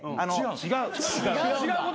違う？